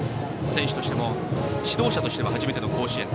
選手としても指導者としても初めての甲子園。